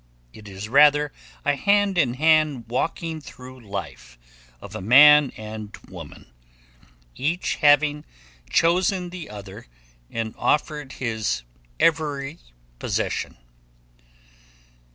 It is rather a hand in hand walking through life of a man and woman, each having chosen the other and offered his every possession.